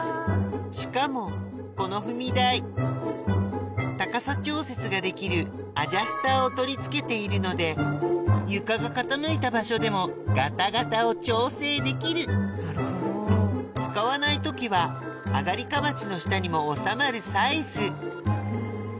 しかもこの踏み台高さ調節ができるアジャスターを取り付けているので床が傾いた場所でもガタガタを調整できる使わない時は上がりかまちの下にも収まるサイズ